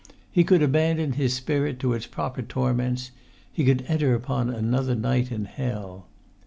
He could abandon his spirit to its proper torments; he could enter upon another night in hell.